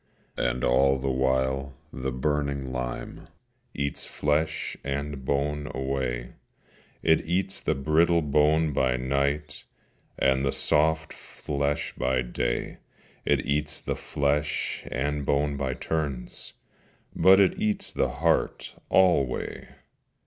And all the while the burning lime Eats flesh and bone away, It eats the brittle bone by night, And the soft flesh by day, It eats the flesh and bone by turns, But it eats the heart alway.